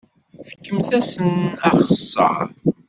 Fkemt-asen axeṣṣar.